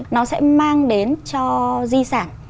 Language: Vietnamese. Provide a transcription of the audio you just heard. nó sẽ mang đến cho di sản